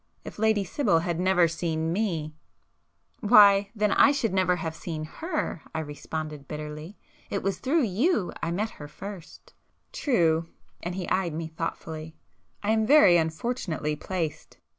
If Lady Sibyl had never seen me,——" "Why, then I should never have seen her!" I responded bitterly—"It was through you I met her first." "True!" and he eyed me thoughtfully—"I am very unfortunately placed!